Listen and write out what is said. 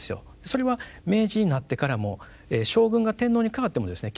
それは明治になってからも将軍が天皇にかわってもですね